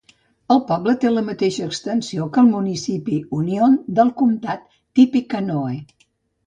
El poble té la mateixa extensió que el municipi Union del comtat de Tippecanoe.